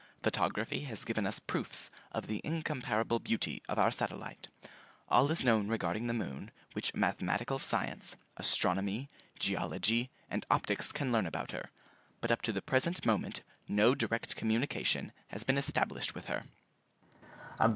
Photography has given us proofs of the incomparable beauty of our satellite; all is known regarding the moon which mathematical science, astronomy, geology, and optics can learn about her. But up to the present moment no direct communication has been established with her."